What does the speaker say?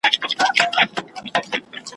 د چا په برخه اولادونه لیکي ,